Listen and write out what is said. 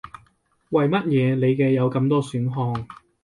為乜嘢你嘅有咁多選項